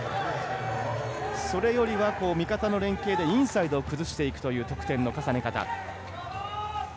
それよりは味方の連係でインサイドを崩していくという得点の重ね方。